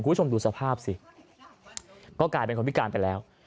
คุณผู้ชมดูสภาพสิก็กลายเป็นคนพิการไปแล้ว